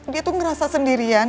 dia tuh ngerasa sendirian